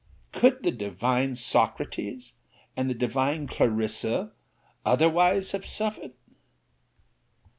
Could the divine SOCRATES, and the divine CLARISSA, otherwise have suffered?